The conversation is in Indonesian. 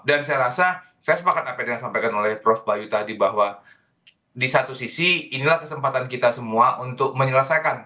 dan saya rasa saya sepakat apa yang saya sampaikan prof bayu tadi bahwa di satu sisi inilah kesempatan kita semua untuk menyelesaikan